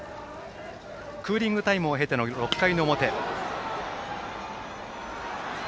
クーリングタイムを経ての６回の表。